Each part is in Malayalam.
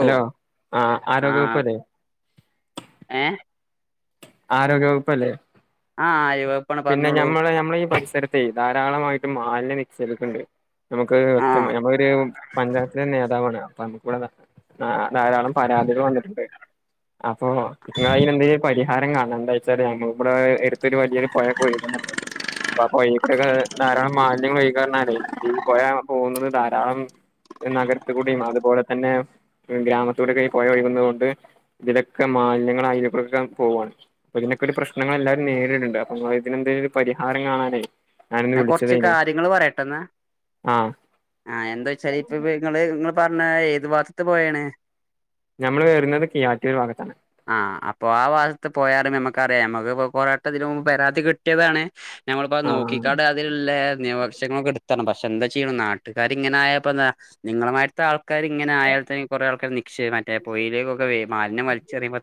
ഹലോ ആ ആരോഗ്യവകുപ്പ് അതെ. ഏ ആരോഗ്യവകുപ്പ് അല്ലേ. ആഹ് ആ അയൽവപ്പാണ് പിന്നെ പറഞ്ഞോളൂ ഞമ്മള നമ്മളീ പൈ ഇത്തരത്തെ ധാരാളമായിട്ടും മാലിന്യം നിക്ഷേപിക്കണ്ട് നമുക്ക് ആ ഒറ്റ നമ്മളൊരു പഞ്ചായത്തിലെ നേതാവാണ് അ നമ്മുക്കിവിടെ ധാരാളം പരാതികൾ വന്നിട്ടുണ്ട്. അപ്പൊ നിങ്ങ അതിനെന്തേല് പരിഹാ ആരും കാണണ്ട എന്താ വെച്ചാ നമ്മഇവിടെ [unintelligible] പരിപാടിയാ. ഒഴുന്നുണ്ട് അ അപ്പൊ ഈ കൂടെ ധാരാളം മാലിന്യങ്ങള് ഒഴിക്കാലേ ഈ പുഴ പോകുന്നത് ധാരാളം നഗരത്തി കൂടയും അതുപോലെ തന്നെ ഗ്രാമത്തിലൂടൊക്കെ ഈ പുഴ ഒഴുകുന്നത് കൊണ്ട് ഇതിലൊക്കെ മാലിന്യങ്ങളായിക്കുറേക്കെ പോവാണ് അ ഇതിനൊക്കെ ഒരു പ്രശ്നങ്ങൾ എല്ലാരും നേരിട്ണ്ട്. നമ്മ ഇതിനെന്തേലും ഒരു പരിഹാരം കാണാനായി കുറച്ച് കാര്യങ്ങള് പറയട്ടെന്നാ ആഹ് ആഹ് എന്താ വച്ചാല് ഇപ്പ നിങ്ങള് പറ ന്ന ഏത് ഭാഗത്ത് പോയാണ് ഞമ്മള് വേറുന്നത് കീയറ്റൂര് ഭാഗത്താണ് ആഹ് അപ്പൊ ആ ഭാഗത്ത് പോയാലും നമ്മക്ക് അറിയാം നമ്മക്ക് ഇ കൊറട്ട ഇതിന് മുമ്പ് പരാതി കിട്ടിയതാണ് ഞമ്മളിപ്പോ ആഹ് നോക്കിക്കാട്ട അതിലില്ല പങ്ങളൊക്കെ എടുത്തണം പക്ഷെ എന്താ ചെയ്യണം നാട്ടുകാരിങ്ങന ആയപ്പോ എന്താ നിങ്ങളുമാരിത്ത ആൾ ആൾക്കാര് ഇങ്ങനെ ആയാല് തന്നെ കൊറെ ആൾക്കാര് നിക്ഷേം മറ്റേ പുയയിലേക്കെ മാലിന്യം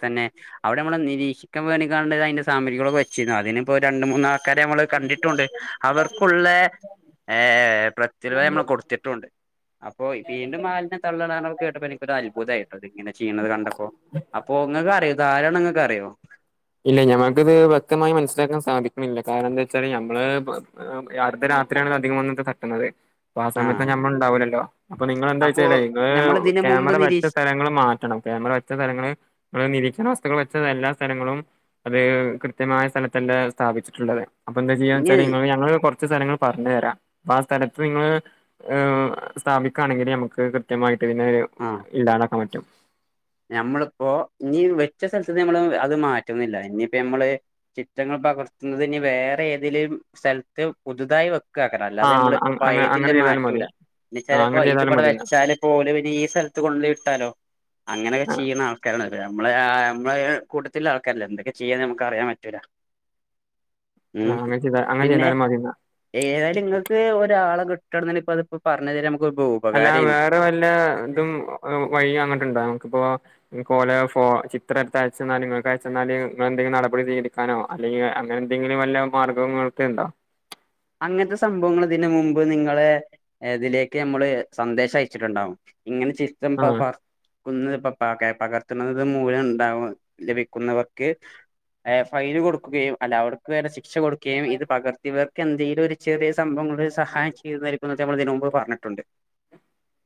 തന്നെ അവിടെ നമ്മള് നിരീഷിക്കാൻ അതിന്റെ സാമഗിരിക്കെച്ചിരുന്നു അതിനിപ്പോ രണ്ട് മൂന്നാ ആൾക്കാര് നമ്മള് കണ്ടിട്ടുണ്ട്. അവർക്കുള്ള ഏ പ്രത്യകംനമ്മൾ കൊടുത്തിട്ടുണ്ട് അപ്പോ വീണ്ടും മാലിന്യം തള്ളണന്ന് കേട്ടപ്പോ എനിക്കൊരു അത്ഭുതമായിട്ടോ അത് ഇങ്ങനെ ചെയ്യണുന്നത് കണ്ടപ്പോ നിങ്ങൾക്ക് അറിയോ ഇത് ആരാണെന്നു നിങ്ങൾക്ക് അറിയോ ഇല്ല ഞമ്മൾക്കിത് വ്യക്തമായി മനസ്സിലാക്കാൻ സാധിക്കുന്നില്ല കാരണം എന്താ വെച്ചാല് ഞമ്മള് അർദ്ധ രാത്രിയാണ് അധികം വന്ന് തട്ടുന്നത് അപ്പൊ ആ സമയത്ത് ആഹ് ഞമ്മൾ ഉണ്ടാവിലല്ലോ അപ്പൊ നിങ്ങൾന്താ അപ്പൊ വെച്ചേലെ നിങ്ങള് നമ്മൾ ഇതിന് മുമ്പ് ക്യാമറ മറ്റ നിരീക്ഷ സ്ഥലങ്ങളും മാറ്റണം ക്യാമറ വച്ച സ്ഥലങ്ങള് നിങ്ങൾ നിരീക്ഷണ വസ്തുക്കൾ വ ച്ചത് എല്ലാ സ്ഥലങ്ങളും അത് കൃത്യമായ സ്ഥലത്തൻ്റെ സ്ഥാപിച്ചിട്ടുള്ളത് അപ്പ എന്താ ചെയ്യാന്ന് ഇനി വെച്ചാല് നിങ്ങൾ ഞങ്ങള് കൊർ കൊറച്ച് സലങ്ങൾ പറഞ്ഞരാം അപ്പ ആ സ്ഥലത്ത് നിങ്ങള് സ്ഥാപിക്കാണെങ്കില് നമക്ക് കൃത്യമായി ട്ട് പിന്നെ ഇടാനക്കെ പറ്റും ഞമ്മള്പ്പോ ഇനി വെച്ച സ്ഥലത്ത്ന്ന് നമ്മള് അത് മാറ്റുന്നില്ല ഇനിപ്പൊ ഞമ്മള് ചിത്രങ്ങൾ പകർത്തുന്നത് ഇനി വേറേതേലും സ്ഥലത്ത് പുതുതായി വെക്ക്‌ ക്കാക്കണം ആ അല്ലാതെ നമ്മളിപ്പൊ അങ്ങനെ പയേതില്ലെ ചെയ്താലും മാറ്റൂല മതി ആ ന്ന്ച്ചാല് പ്പൊ അങ്ങനെ ചെയ്താലും ഇത്ബടെ മതി വെച്ചാല് പ്പൊ ഓല് പിന്നെ ഈ സ്ഥലത്ത് കൊണ്ടെട്ടാലോ അങ്ങനൊക്കെ ആ ചെയ്യ്ണാൾക്കാരാണോല് നമ്മളെ ആ നമ്മളെ കൂട്ടത്തില്ള്ളാൾക്കാരില്ലെ എന്തൊക്കെ ചെയ്യാന്ന് നമുക്കറിയാൻ പറ്റൂല ഉം ആഹ് അങ്ങനെ ചെയ്ത അങ്ങനെ പിന്നെ ചെയ്താലും മതിന്നാ ഏതായാലുങ്ങക്ക് ഒരാളെ കിട്ട് തങ്ങനെ ത്പ്പത്പ്പൊ പറഞ്ഞ് തെര മ്മക്ക്‌ അല്ല വേറെ വല്ല തും വയ്യും അങ്ങട്ട്ണ്ടോ ഇക്ക്പ്പോ ഇൻകോലെ ഫോ ചിത്രട്ത്ത് അയച്ചെന്നാൽ ഇങ്ങക്കയച്ചെന്നാല് നിങ്ങളെന്തെങ്കിലും നടപടി സ്വീകരിക്കാനോ അല്ലെങ്കി അങ്ങനെന്തെങ്കിലും വല്ല മാർഗ്ഗങ്ങളെത്തേണ്ടോ? അങ്ങൻത്തെ സംഭവങ്ങളിതിന് മുമ്പ് നിങ്ങളെ തിലേക്ക് നമ്മള് സന്ദേശയച്ചിട്ട്ണ്ടാവും ഇങ്ങനെ ചിത്രം പ ആഹ് പ്പാസ് ന്ന് പ പ കെ പകർത്ത്ണത് മൂലംണ്ടാവ് ലഭിക്കുന്നവർക്ക് ഏ ഫൈന് കൊടുക്കുകയും അല്ല അവർക്ക് വര്ണ ശിക്ഷ സ് കൊടുക്കേയും ഇത് പകർത്തിയവർ കെന്തേലൊരു ചെറ്യേസാ താവുംബം ഒരു സഹായം ചെയ്യുന്നായിരിക്കുംന്ന് നമ്മളിതിന് മുമ്പ് പറഞ്ഞിട്ടുണ്ട്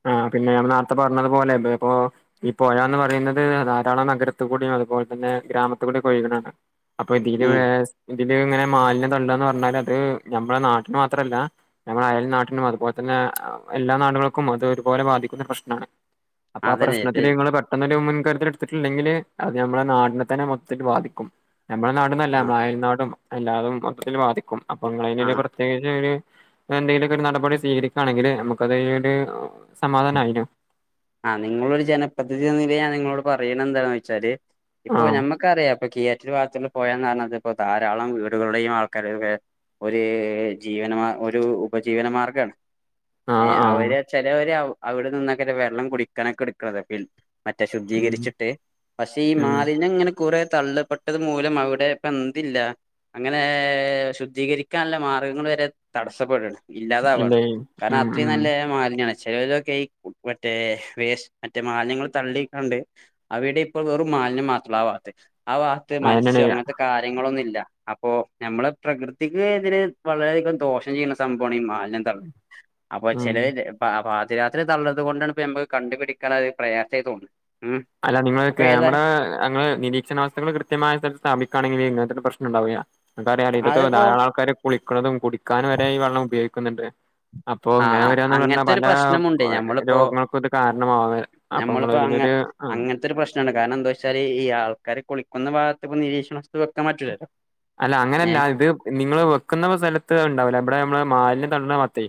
ആ പിന്നെ നമ്മള് നാർത്തെ പർഞത് പോലെ ഇത് പ്പൊ ഈ പൊയാന്ന് പറയുന്നത് ധാരാളം നഗരത്ത്ക്കൂടെയും അതുപോൽതന്നെ ഗ്രാമത്ത്ക്കൂടൊക്കൊയ്ക്ണതാണ് അപ്പൊ ഇതില് ഉം വേസ് ഇതില് ങ്ങനെ മാലിന്യം പ്പോന്താന്ന് പറഞ്ഞാല് അത് നമ്മളെ നാട്ടിന് മാത്രല്ല നമ്മളെ അയൽ നാട്ടിനും അതുപോൽതന്നെ എല്ലാ നാടുകളും ക്കും അത് ഒരുപോലെ ബാധിക്കുന്ന പ്രശ്നാണ്? അപ്പ ആ അതന്നെ പ്രശ്നത്തില് നിങ്ങള് പെട്ടന്നൊരു മുൻകരു [unintelligible] എടുത്തിട്ടില്ലെങ്കില് അത് ഞമ്മളെ നാടിനെ തന്നെ മൊത്തത്തിൽ ബാധിക്കും? ഞമ്മളെ നാട് നല്ല ആ മായൽ നാടും. എല്ലാതും മൊത്തത്തില് ബാധിക്കും. അപ്പൊ നിങ്ങള് തന്നെ ആ അല്ലേ പ്രത്യേകിച്ച്. [unintelligible] എന്തെങ്കിലൊക്ക ഒരു നടപടി സ്വീകരിക്കാണെങ്കില് നമുക്കത് ര് ആഹ് സമാധാനായിന്യോ? ആഹ് നിങ്ങളൊരു ജനപ്രധിനിതി എന്ന നിലയിൽ ഞാൻ നിങ്ങളോട് പറയണ എന്താന്ന് വെച്ചാല് ഇപ്പൊ ആഹ് ഞമ്മക്ക് അറിയാ ഇപ്പൊ കീയാറ്റൂർ ഭാഗ ഇച്ചൊക്കെ പൊയാന്ന് പറഞ്ഞാത് ഇപ്പോ ധാരാളം വീടുകളുടെയും ആൾക്കാരൊക്കെ ഒരേ ജീവന ഒരു ഉപജീവനമാർഗാണ്. ആഹ് ഏഹ് ആഹ് അവര് ചിലവര് ആവും അവിടെ നിന്നൊക്കെ ഇല്ല വെള്ളം കുടി കണക്കെടുക്കുന്നത് ബിൽ മറ്റേ ഉം ശുദ്ധീകരിച്ചിട്ട് പക്ഷെ ഈ ഉം മാലിന്യം ഇങ്ങനെ- കുറെ തള്ളപെട്ടത് മൂലം അവിടെ ഇപ്പ എന്ത്‌ ഇല്ല അങ്ങനെ ശുദ്ധീകരിക്കാനുള്ള മാർഗങ്ങൾ വരെ തടസ്സപ്പെടാണ് ഇല്ലാതാവാണ് ഇല്ലേ കാരണം ഉം അത്രയും ഉം നല്ല മാലിന്യമാണ്- ചെലോലൊക്കെ ഈമറ്റേ വേസ് മറ്റേ മാലിന്യങ്ങള് തള്ളിക്കാണ്ട് അവിടെ ഇപ്പോ വെറും മാലിന്യം മാത്രാ ആവാത്ത് ആ വാത്ത് മത്സ്യം അതന്നെയാണ് അങ്ങത്തെ കാര്യങ്ങളൊന്നും ഇല്ല യ്യാ അപ്പോ നമ്മളെ പ്രകൃതിക്ക് ഇതിന് വളരെയധികം ദോഷം ചെയ്യ്ന്ന സംഭവമാണ് ഈ മാലി എന്താഅപ്പൊ ഉം ചെല പാപാ രാത്രി തള്ളത് കൊണ്ടാണ് ഇപ്പ നമ്മക് കണ്ടുപിടിക്കണത് പ്രയാസായി തോന്ന്ണ് അല്ല നിങ്ങള് ക്യാമറാ അങ്ങള് നിരീക്ഷണാവസ്ഥകള് കൃത്യമായ സ്ഥലത്ത് സ്ഥാപിക്കാണെങ്കില് ഇങ്ങനത്തെ- പ്രശ്നണ്ടാവൂയാ അതറിയാനെ ഇതക്ക അതിപ്പോ ധാരാൾക്കാര് കുളി ക്ക്ണതും കുടിക്കാനും വരെ ഈ വെള്ളം ഉപയോഗിക്കുന്ന്ണ്ട് അപ്പൊ ആ ഇങ്ങനെ ആ വരാന്ന് അങ്ങനത്തെ ഒരു പറഞ്ഞാപല പ്രശ്നമുണ്ട് ഞമ്മളിപ്പോ രോഗങ്ങൾക്കും ഇത് കാരണമാവ അപ്പൊ മ്മള് ഇതിനൊര് അങ്ങൻത്തെ ഒരു പ്രശ്നംണ്ട് കാരണംന്താ വെച്ചാല് ഈ ആൾക്കാര് കുളിക്കുന്ന ഭാഗത്ത്പ്പ നിരീക്ഷണസ്തു വക്കാൻ പറ്റൂലല്ലോ അല്ല ഏ അങ്ങനെയല്ല ഇത് നിങ്ങള് വെക്കുന്ന പ സ്ഥലത്ത് അഅ് ഇണ്ടാവൂല മ്പടെ നമ്മള് മാലിന്യത് നല്ല ഭാത്തെ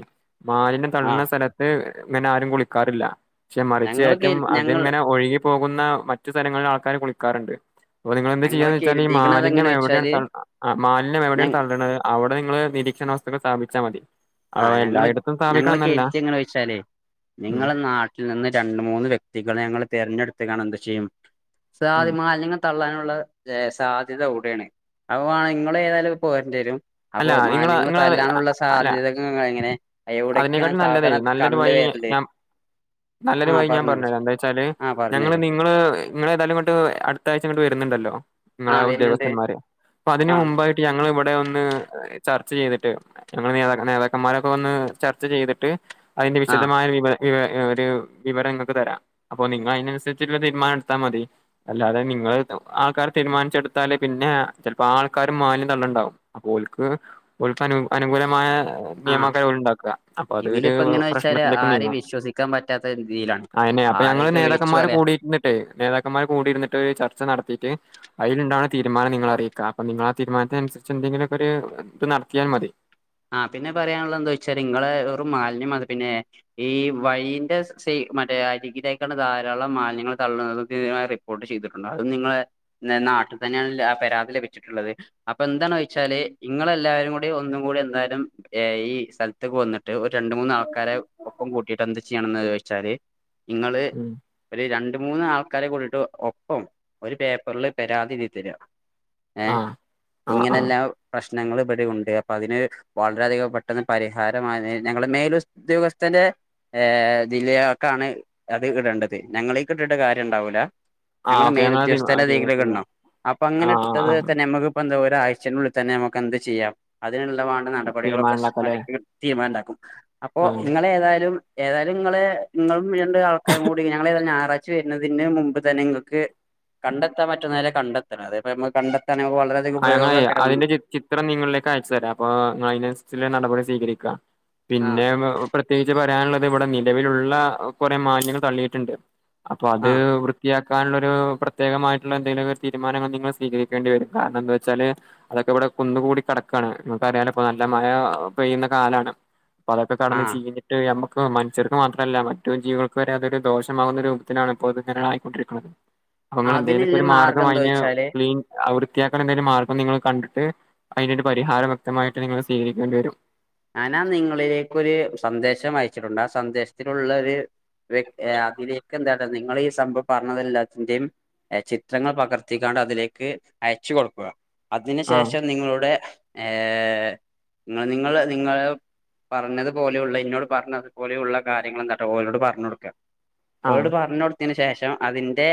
മാലിന്യം ആ തള്ള്ണ സ്ഥലത്ത് ഇങ്ങനെ ആരും കുളിക്കാറില്ല പക്ഷെ മറിച്ച് ഞങ്ങള് കയറ്റും കരു ഞങ്ങൾ അത്ങ്ങനെ ഒഴുകി പോകുന്ന മറ്റു സ്ഥലങ്ങളിൽ ആൾക്കാർ കുളിക്കാറുണ്ട് അപ്പ നിങ്ങൾളെന്ത് ഞങ്ങള് ചെയ്യായന്ന് വെച്ചാ ഈ കരുതിക്കണത് മാലിന്യം എങ്ങനെ എവിടെയാണ് വെച്ചാല് ത ആഹ് മാലിന്യം ഞ എവിടെയാണ് തള്ളണത് അവിടെ നിങ്ങള് നിരീക്ഷണം ഇതൊക്കെ സ്ഥാപിച്ചാ മതി ആ ആഹ് ഞങ്ങള് എല്ലായിടത്തും ഞങ്ങള് സ്ഥാപിക്കണം എന്നല്ല കെരുതിയെ എങ്ങനെ വെച്ചാലേ ഉം നിങ്ങള നാട്ടിൽ നിന്ന് രണ്ട് മൂന്ന് വ്യക്തികളെ ഞങ്ങൾ തെരഞ്ഞെടു ത്തുകാണ്ട് എന്ത്‌ ചെയ്യും സാ ഉം ആദ്യം മാലിന്യങ്ങൾ തള്ളാനു ള്ള ഏഹ് സാധ്യത അവിടെയാണ് അപ്പൊ വാണേ നിങ്ങൾ ഏതായാലും പോരണ്ടി വരും അപ്പൊ അല്ല നിങ്ങള മാലിന്യങ്ങൾ നിങ്ങള തല്ലാനുള്ള സാധ്യതകൾ എങ്ങനെ എവിടൊക്കെയാണ് അതിനെക്കാട്ടിലും നല്ലത് സാധന നല്ലൊരു വഴി കണ്ടുവരല് ഞാൻ നല്ലൊരു ആഹ് വഴി ഞാൻ പറഞ്ഞത് പറഞ്ഞുതരാ എന്താ വെച്ചാല് ആഹ് പറഞ്ഞു ഞങ്ങള് തരും നിങ്ങള് നിങ്ങള ഏതായാലും ഇങ്ങോട്ട് അടുത്ത ആഴ്ച്ച ഇങ്ങോട്ട് വരുന്നുണ്ടല്ലോ നിങ്ങളെ ആഹ് വരുന്നുണ്ട് ഉദ്യോഗസ്ഥന്മാരെ അപ്പൊ അതിന് ആഹ് മുമ്പായിട്ട് ഞങ്ങള് ഇവിടെ ഒന്ന് ചർച്ച ചെയ്തിട്ട് ഞങ്ങളെ നേത നേതാക്കന്മാരൊക്കെ വന്ന് ചർച്ച ചെയ്തിട്ട് അതിന്റെ ആഹ് വിശദമായ വിവര ഒരു വിവരം നിങ്ങൾക്ക് തരാം അപ്പൊ നിങ്ങൾ അതിനനുസരിച്ചിട്ടുള്ള തീരുമാനം എടുത്താൽ മതി അല്ലാതെ നിങ്ങള് ആൾക്കാർ തീരുമാനിച്ചെടുത്താല് പിന്നെ ചിലപ്പോ ആൾക്കാരും മാലിന്യം തള്ളുണ്ടാവും അപ്പോ ഒൽ ൽക്ക് ഒൽക്ക് അനുകൂലമായ ആഹ് നിയമയ്കരം ഒല് ഉണ്ടാക്കുക അപ്പൊ അത് ഒരു ഇതിലിപ്പോ എങ്ങനെ വെച്ചാല് പ്രശ്നത്തിലേക്ക് ആരെയും നീങ്ങാം വിശ്വസിക്കാൻ പറ്റാത്ത രീതിയിലാണ് അയെന്നെ അപ്പൊ ഞങ്ങള് ആരെയൊക്കെ വിളിച്ചു നേതാക്കന്മാര് പറയാ കൂടിയിരുന്നിട്ട് നേതാക്കന്മാര് കൂടിയിരുന്നിട്ട് ഒരു ചർച്ച നടത്തിട്ട് അതിൽ ഉണ്ടാകുന്നേ തീരുമാനം നിങ്ങളെ അറിയിക്കാം അപ്പെ നിങ്ങള ആ തീരുമാനത്തിനനുസരിച്ച് എന്തെിലും ഒര് ഇത് നടത്തിയാൽ മതി ആ പിന്നെ പറയാനുള്ളത് എന്താ വെച്ചാല് നിങ്ങള വെറും ഒരു മാലിന്യം അത് പിന്നെ ഈ വഴിയിന്റെ സൈ മറ്റേ അരികിലായിക്കണ്ട് ധാരാളം മാലിന്യങ്ങൾ തള്ളുന്ന റിപ്പോർട്ട് ചെയ്തിട്ടുണ്ട് അതും നിങ്ങള് നാട്ടിൽ തന്നെയാണ് പരാതി ലഭിച്ചിട്ടുള്ളത് അപ്പൊ എന്താണ വെച്ചാല് നിങ്ങളെല്ലാവരും കൂടി ഒന്നും കൂടി ഈ സ്ഥലത്തേക്ക് വന്നിട്ട് ഒരു രണ്ട മൂന്ന ആൾക്കാരെ ഒപ്പം കൂട്ടിട്ട് ചണെന്ന് ചോദിച്ചാല് നിങ്ങള് ഉം ഒരു രണ്ട് രണ്ട മൂന്ന് ആൾക്കാരെ കൂടിയിട്ട് ഒപ്പം ഒരു പേപ്പറില് പരാതി ചെയ്ത് തരാ ഏ ആഹ് ആഹ് ആഹ് ഇങ്ങനെല്ലാം പ്രശ്ന പ്രശ്നങ്ങൾ ഇവിടെ ഉണ്ട് അപ്പൊ അതിന് വളരെയധികം പെട്ടെന്ന് പരിഹാര ഞങ്ങളുടെ മേല ഉദ്യോഗസ്ഥ മത്തന്റെ ജില്ലയൊക്കാണ് അത് ഇടേണ്ടത് ഞങ്ങളേ കിട്ടിട്ട് കാര്യം ഉണ്ടാവൂല ആഹ് ഞങ്ങള്െ ഓക്കെ മേൽ ഞങ്ങള് തീരുമാ ഉദ്യോഗസ്ഥരുടെ ചെയ്യാ അിലൊക്കെ ചെയ്യാ ഉണ്ടാവും അപ്പൊ അങ്ങനെ ആഹ് ഇട്ടത് ആഹ് തന്നെ നമ്മക്ക്പ്പോ എന്താ ആഴ്ചുള്ളിൽ തന്നെ നമുക്ക് എന്ത് ചെയ്യാം അതിനുള്ളതാണ് ആഹ് നടപടികളൊക്കെ തീരുമാനം മാറ്റ ഉണ്ടാക്കാല്ലേ കൃത്യം ആയി ഉണ്ടാക്കാ [inaudible] അപ്പോ ആഹ് നിങ്ങള ഏതായാലും ഏതായാലും നിങ്ങളെ നിങ്ങളും ആൾക്കാരും കൂ ഞങ്ങളെ ഞായ വരുന്നതിന് മുമ്പ് തന്നെ നിങ്ങക്ക് കണ്ടെത്താൻ പറ്റുന്ന നേരെ കണ്ടെത്തണം അത ന കണ്ട ആ ഞ അതിന്റെ ചിത്രം നിങ്ങളിലേക്ക് അയച്ചു തരാം അപ്പൊ അതിനന് ചില നടപടി സ്വീകരിക്കാ ആ പിന്നെ പ്രത്യേകിച്ച് പറയാനുള്ള അ ഇവിടെ നിലവിലുള്ള കുറെ മാന്യങ്ങൾ തള്ളിയിട്ടുണ്ട് അപ്പൊ അത് ആഹ് വൃത്തിയാക്ക എക്കാനുള്ളൊ ഒരു പ്രത്യേകമായിട്ടുള്ള എന്തെങ്കിലും ഒരു തീരുമാനങ്ങൾ നിങ്ങൾ സ്വീകരിക്കേണ്ടി വരും കാരണം എന്താച്ചാല് അതൊക്കെ ഇവിടെ കുന്നുകൂടി കിടക്കാണ് നമുക്കറിയാല ഇപ്പൊ നല്ല മഴ പെയ്യുന്ന കാലാണ്. അപ്പതൊക്കെ കെടന്ന് ആഹ് ചീഞ്ഞിട്ട് യമ്മ പ്പോ മനുഷ്യർക്ക് മാത്രല്ല മറ്റു ജീവികൾക്ക് വരെ അതൊരു ദോഷമാകുന്ന രൂപത്തിലാണ് ഇപ്പോൾ ഇത്ങ്ങന ആയിക്കൊണ്ടിരിക്കുന്നത്. അങ്ങനെന്തേലൊക്കെ അതിനുള്ള ഒരു മാർഗം എന്താ അയിന് വെച്ചാല് ക്ലീൻ അവർ വൃത്തിയാക്കാൻ എന്തേലും മാർഗം നിങ്ങൾ കണ്ടിട്ട് അതിന്റെ പരിഹാരം വ്യക്തമായിട്ട് നിങ്ങൾ സ്വീകരിക്കേണ്ടി വരും. ഞാനാ നിങ്ങളിലേക്കൊരു സന്ദേശം അയച്ചിട്ടുണ്ട് ആ സന്ദേശത്തിലുള്ള ഒരു വ്യക് അതിലേക്ക് എന്താ നിങ്ങൾ ഈ സംഭവം പറഞ്ഞതെല്ലാത്തിന്റെയും ചിത്രങ്ങൾ പകർത്തിക്കാണ്ട് അതിലേക്ക് അയച്ചു കൊടുക്കുക. അതിന് ആഹ് ശേഷം നിങ്ങളുടെ ഏ നിങ്ങ നിങ്ങള് നിങ്ങള് പറഞ്ഞത്പോലെയുള്ള ഇന്നോട് പറഞ്ഞതു പോലെയുള്ള കാര്യങ്ങൾന്താട്ടാ ഓരോട് പറഞ്ഞ് കൊടുക്ക ആഹ് ഓരോട് പറഞ്ഞ് കൊടുത്തന് ശേഷം അം അതിന്റെ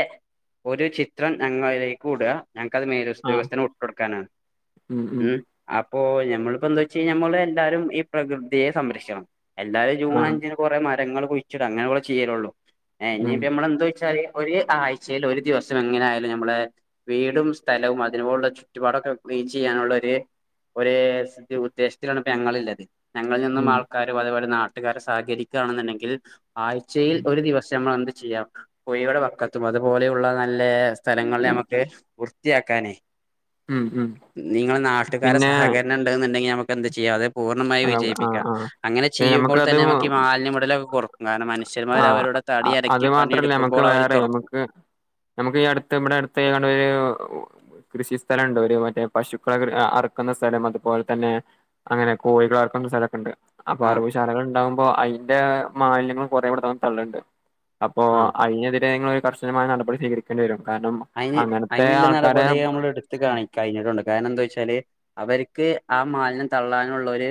ഒരു ചിത്രം ഞങ്ങളിലേക്കു ഇടുക. ഞങ്ങക്ക്ത് ആഹ് മേലസ്ദ്യോഗസ്ഥന് വിട്ട് കൊടുക്കാനാണ് ഉം അ ഇപ്പോ ഞമ്മളിപ്പോ എന്താ വെച്ച കയിഞ്ഞ നമ്മളെ ല്ലാരും ഈ പ്രകൃതിയെ സംരക്ഷിക്കണം. എല്ലാരും ജൂൺ ആഹ് അഞ്ചിന് കുറെ മരങ്ങളും കുഴിച്ചിടും അങ്ങനെ കൊറേ ചെയ്യലൊള്ളൂ. ആ ഉം ഇനിപ്പ ഞമ്മളെന്താച്ചാല് ഒരു ആഴ്ചൽ ഒരു ദിവസം എങ്ങനെ ആയാലും ഞമ്മളെ വീടും സ്ഥലവും അതിനോടുള്ള ചുറ്റുപാടൊക്കെ ക്ലീൻ ചെയ്യാനുള്ള ഒര് ഒര് ഉദ്ദേശത്തിലാണ്. പ്പങ്ങളിള്ളത്. ഞങ്ങളിൽ നിന്നും ഉം ആൾക്കാരും അതേപോലെ നാട് ട്ടുകാര് സഹകരിക്കാണ് ന്നുണ്ടെങ്കിൽ ആഴ്ചയിൽ ഒരു ദിവസം മ്മള് എന്ത് ചെ ചെയ്യാം പൊയയുടെ വക്കത്തും അതുപോലെയുള്ള നല്ലേ സ്ഥലങ്ങളിൽ നമുക്ക് വൃത്തിയാക്കാനേ ഉം ഉം നിങ്ങള് നാട്ടുകാരെ സഹകരണം ഉണ്ടെന്നുണ്ടെങ്കിൽ ഞമക്ക് ചെയ്യാതെ ആ ആ പ്പ ഞമ്മക്ക് ചെയ്യുമ്പോൾ അത് തന്നെ നമുക്ക് ഈ മാലിന്യ മുടലൊക്കെ കുറക്കും കാരണം മനുഷ്യന്മാർ ആ അവരുടെ തടി അത് അനക്കി മാത്രല്ല നമുക്ക് പണിയെടുക്കുമ്പോൾ അവർ വേറെ തുറക്കും നമുക്ക് നമ്മുക്ക് ഈ അടുത്ത് ഇവിടെ അടുത്ത് ഇവിടെരു കൃഷി സ്ഥലണ്ട് ഒരു മറ്റേ പശുക്കളെക്കെ അറക്കുന്ന സ്ഥലം അതുപോലെ തന്നെ അങ്ങനെ കോഴികളേ അറക്കുന്ന സ്ഥലൊക്കെണ്ട് അപ്പൊ ആഹ് അറവശാലകളുണ്ടാവും. അപ്പൊ അതിന്റെ മാലിന്യങ്ങൾ കൊറെ ഇവിടെ ന്നാണ്ട് തള്ള്ണ്ട്. അപ്പോ ആഹ് അതിന്നെതിരെ ങ്ങള് കർശനമായ നടപടി സ്വീകരിക്കേണ്ടിവരും. അതിന് അതിനുള്ള നടപടി നമ്മൾ എടുത്തു ആ കാണി കഴിഞ്ഞിട്ടൊണ്ട് കാരണം എന്താച്ചാല് അവര് ക്ക് ആ മാലിന്യം തള്ളാനുള്ള ഒരു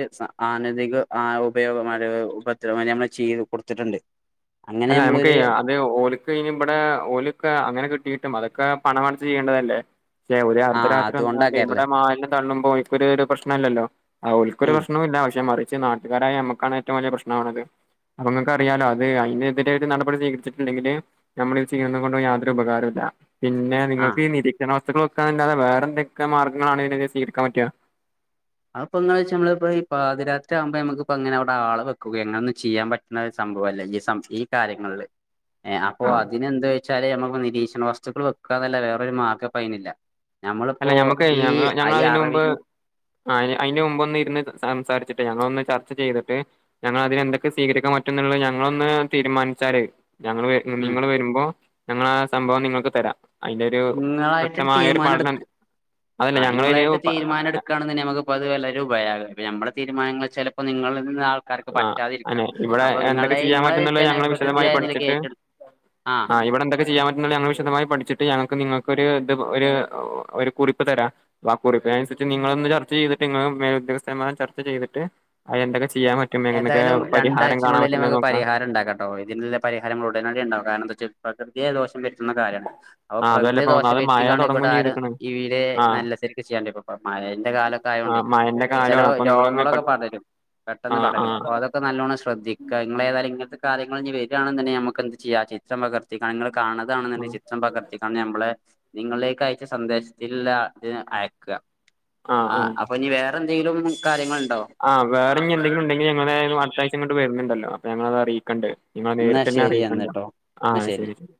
ആനന്തിക ആ ഉപയോഗം അത് ഉപദ്രവം ഞമ്മള് ചെയ്ത് കൊടുത്തിട്ടൊണ്ട്. അല്ല ഞമുക്ക് അത് ഓല്ക്ക് ഇവിടെ ഓല്ക്കെ അങ്ങനെ കിട്ടിട്ട് അതൊക്കെ പണമടച്ച് ചെയ്യ്ണ്ടതല്ലേ ക്ഷേ ഒരു ആഹ് അർദ്ധരാത്രി വന്നാണ്ട് ഇവടെ അതുകൊണ്ടാക്കാരല്ലേ മാലിനം തള്ളുമ്പോ ഓല്ക്കൊരുരു പ്രശ്നലല്ലോ അ ഒല്ക്കൊരു ഉം പ്രശ്നോം ഇല്ല പക്ഷെ മറിച്ച് നാട്ടുകാരായ നമ്മുക്കാണ് ഏറ്റവും വലിയ പ്രശ്നാവണത്. അപ്പ നിങ്ങക്കറിയാലോ അത് അയിന് [unintelligible] നടപടി സ്വീകച്ചിട്ടുണ്ടെങ്കില് നമ്മളിത് ചെയ്യുന്നുന്നത് കൊണ്ട് യാതൊരുപകാരവും ല്ല പിന്നെ ആഹ് നിങ്ങൾക്ക് ഈ നിരീക്ഷണ വ [unintelligible] വേറെ എന്തൊക്കെ മാർഗങ്ങളാണ് സ്വീകരിക്കാൻ പറ്റ്യ അപങ്ങള് ചുംനമ്മളിപ്പോ ഈ പാരാത്രിയാകുമ്പോ നമുക്കിപ്പോ അങ്ങനെ അവിടെ ആളെ വെക്കുക എങ്ങയൊന്നും ചെയ്യാൻ പറ്റുന്ന സംഭവ അല്ല ഈ സം ഈ കാര്യങ്ങളില് എ അപ്പൊ ആ, അതിനന്ത് വെച്ചാല് നമ്മക്ക് ഭീഷണ വസ്തുക്കൾ വെക്കാന്നല്ലാ വേറൊരു മാർഗ ഇപിയിനില്ല അല്ല ഞമ്മളിപ്പോ ഈ അയ അറവിന് ആ അയിന്റെ മുമ്പ് ഒന്ന് ഇരുന്ന് സംസാരിച്ചിട്ട് ഞങ്ങളൊന്ന് ചർച്ച ചെയ്തിട്ട് ഞങ്ങള് അതിനെന്തൊക്കെ സ്വീകരിക്കാൻ പറ്റന്നുള്ള ഞങ്ങളൊന്ന് തീരുമാനിച്ചാല് ഞങ്ങള് [unintelligible] ഉം നിങ്ങള് വരുമ്പോ ഞങ്ങള ആ സംഭവം നിങ്ങക്ക് തരാം അയിന്റൊരു ഇങ്ങളായിട്ടൊരു വ്യക്തമായ ഒരു തീരുമാനം പഠനം എടുക്ക അതല്ല ആ ഞങ്ങളൊരു ഇങ്ങളായിട്ട് തീരുമാന എടുക്കാണെന്ന് നമക്ക് പതിവല്ല നമ്മുളെ തീരുമാനങ്ങൾ ചെലപ്പോ നിങ്ങളിൽ നി ആ അല്ലെ ഇവിടെ എന്തൊക്കെ ചെയ്യാൻ ഇങ്ങളെ പറ്റുന്നല്ല ഞങ്ങൾ വിശദമായി ജനപ്രതിനിധിയായ നിലക്ക് പഠിച്ചിട്ട് ഏറ്റെടു ആ ഇവിടെ എന്തക്ക ചെയാൻ പറ്റുന്നല്ലോ ഞങ്ങൾ വിശദമായി പഠിച്ചിട്ട് ഞങ്ങൾക്ക് നിങ്ങ ഒരു ത് ഒരു കുറിപ്പ് തരാം ആ കുറിപ്പിനനുസരിച്ച് നിങ്ങള ചർച്ച ചെയ്തിട്ട് നി മേലുദ്യോഗസ്ഥന്മാ ചർച്ച ചെയ്തിട്ട് അന്തൊക്കെ ചെയ്യാ ഏതായാലും രണ്ടഴ്ചനുള്ളില് നമുക്ക് നോക്കാം പരിഹാരണ്ടാക്കട്ടോ ഇതിനുള്ളില് പരിഹാര മ്മൾ ഉടനടിണ്ടാവും കാരണം എന്താന്നവെച്ചാ [unintelligible] ദോഷം ന്ന കാര്യാണ് അപ്പൊ ആ അതല്ല പ്രകൃതിയെ ഇപ്പ ദോഷം ഒന്നാമത് മഴ വരുത്തിക്കാണ് ഇവിടെ തുടങ്ങും ആരും ചെയ്ത്ക്ക്ണ് ഈവീടെ ആ നല്ല ശര്ക്ക് ചെയ്യാണ്ട ഇ മഴന്റെ കാലൊക്കെ ആ ആയോണ്ട് മഴന്റെ ചെലെ കാലമാണ് അപ്പൊ നിങ്ങളൊന്ന് പെ രോഗങ്ങളൊക്കെ പടരും ആ പെട്ടെന്ന് ആ പടരും അപ്പൊ അതൊക്കെ നല്ലോണം ശ്രദ്ധിക്കാ നിങ്ങളെതായാലും അങ്ങനത്തെ കാര്യങ്ങൾ ഞ്ഞ് വരികണെന്ന് നമുക്ക് എന്ത് ചെയ്യാം ചിത്രം പകർത്തി ക കാണ്ണതാണെന്ന് ആ ണ്ടെ ചിത്രം പകർത്തിക്കാണ്ട് ഞമ്മളെ നിങ്ങളിലേക്ക് അയച്ച സന്ദേശത്തില് ല്ലാ ത് അയക്കാ ആ ആഹ് അപ്പ ഞ്ഞ് വേ റെന്തെങ്കിലും കാര്യങ്ങൾ ആഹ് വേറഞ്ഞ് എന്തെങ്കിലുണ്ടെ ങ്കി ഞങ്ങള് അടുത്താഴ്ച ഇങ്ങട്ട് വരുന്നുണ്ടല്ലോ അപ്പോ ഞങ്ങളത് അറീക്കണ്ട്. നിങ്ങളെ എന്നാ നേരിട്ടെന്നെ ശരി എന്നാ അറീക്കണ്ട് കേട്ടോ എന്നാ ആഹ് ശരി ശരി